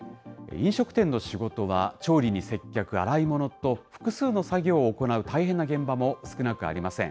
飲食店の仕事は調理に接客、洗い物と、複数の作業を行う大変な現場も少なくありません。